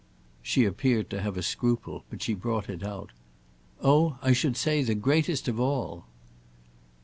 She appeared to have a scruple, but she brought it out. "Oh I should say the greatest of all."